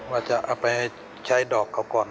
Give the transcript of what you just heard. ว่าจะเอาไปใช้ดอกเขาก่อน